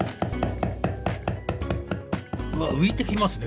うわっ浮いてきますね